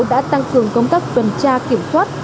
đã tăng cường công tác tuần tra kiểm soát